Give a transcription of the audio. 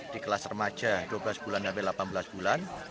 di kelas remaja dua belas bulan sampai delapan belas bulan